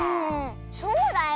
そうだよ。